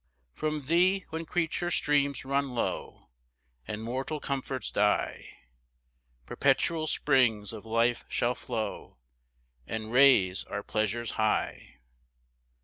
7 [From thee, when creature streams run low, And mortal comforts die, Perpetual springs of life shall flow, And raise our pleasures high.